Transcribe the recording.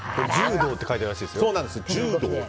ＪＵＤＯって書いてあるらしいですよ。